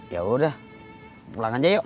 yaudah pulang aja yuk